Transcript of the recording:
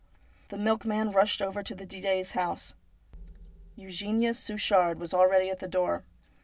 The milkman rushed over to the Didets' house. Eugenia Suchard was already at the door.